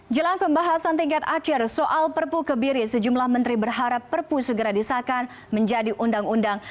jelang pembahasan tingkat akhir soal perpu kebiri sejumlah menteri berharap perpu segera disahkan menjadi undang undang